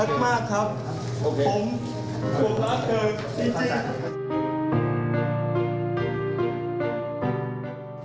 ผมรักเธอจริง